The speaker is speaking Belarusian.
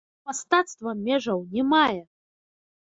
Бо мастацтва межаў не мае!